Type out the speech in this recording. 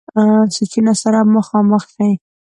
سوچونو سره مخامخ شي -